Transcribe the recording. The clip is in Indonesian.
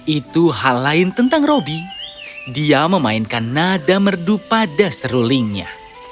itu hal lain tentang roby dia memainkan nada merdu pada serulingnya